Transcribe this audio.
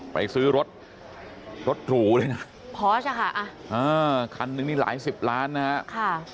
ไปซื้อรถรถหรูเลยนะพอสอะค่ะอ่าคันนึงนี่หลายสิบล้านนะฮะค่ะ